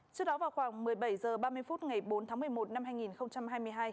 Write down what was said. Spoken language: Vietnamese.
trước đó vào khoảng một mươi bảy h ba mươi phút ngày bốn tháng một mươi một năm hai nghìn hai mươi hai